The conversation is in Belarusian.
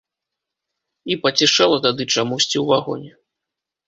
І пацішэла тады чамусьці ў вагоне.